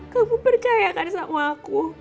kamu percayakan sama aku